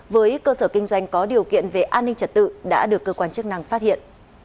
với cơ sở kinh doanh có điều kiện về an ninh trật tự đã được cơ quan chức năng phát hiện